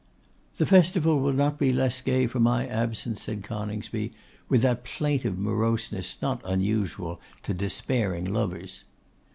'The festival will not be less gay for my absence,' said Coningsby, with that plaintive moroseness not unusual to despairing lovers.